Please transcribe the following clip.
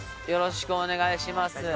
よろしくお願いします